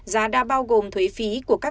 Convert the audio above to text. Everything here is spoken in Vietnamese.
giá đã bao gồm thuế phí của các hãng